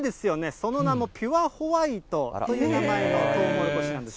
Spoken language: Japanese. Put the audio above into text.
その名もピュアホワイトという名前のトウモロコシなんです。